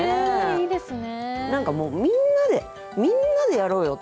いいですね。